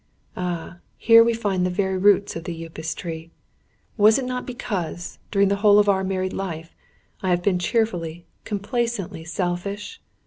Ah, here we find the very roots of the Upas tree! Was it not because, during the whole of our married life, I have been cheerfully, complacently selfish?